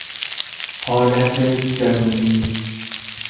حالت درونی